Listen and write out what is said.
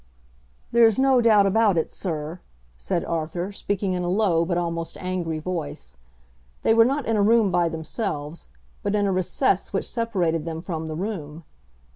"There's no doubt about it, sir," said Arthur, speaking in a low but almost angry voice. They were not in a room by themselves, but in a recess which separated them from the room.